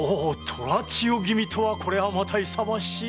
虎千代君とはこれはまた勇ましい。